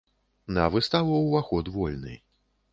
На выставу ўваход вольны.